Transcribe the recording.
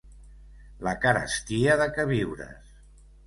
La carestia de queviures